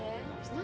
何？